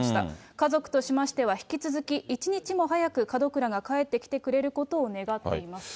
家族としましては、引き続き一日も早く門倉が帰ってきてくれることを願っていますと。